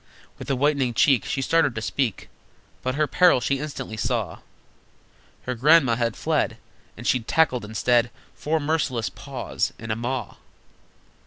With a whitening cheek She started to speak, But her peril she instantly saw: Her Grandma had fled, And she'd tackled instead Four merciless Paws and a Maw!